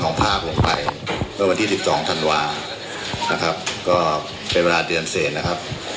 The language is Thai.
ของภาพวงไปวันที่๒๒ทันวาเป็นเวลาเดือนเศษนะครับ